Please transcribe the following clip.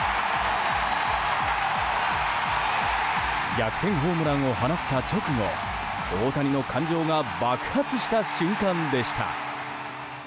逆転ホームランを放った直後大谷の感情が爆発した瞬間でした。